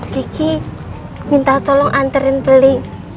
diki minta tolong anterin beli